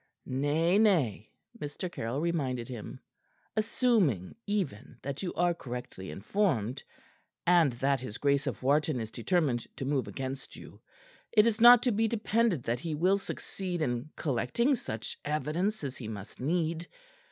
"Nay, nay," Mr. Caryll reminded him. "Assuming even that you are correctly informed, and that his Grace of Wharton is determined to move against you, it is not to be depended that he will succeed in collecting such evidence as he must need.